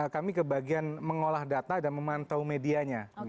kami ke bagian mengolah data dan memantau medianya